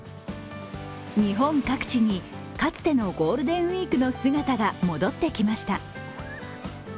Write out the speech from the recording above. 日本各地に、かつてのゴールデンウイークの姿が戻ってきました。